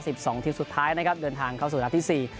สิบสองทีมสุดท้ายนะครับเดินทางเข้าสู่นัดที่สี่